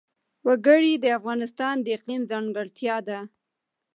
وګړي د افغانستان د اقلیم ځانګړتیا ده.